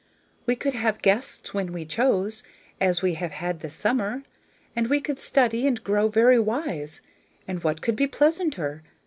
We could have guests when we chose, as we have had this summer, and we could study and grow very wise, and what could be pleasanter?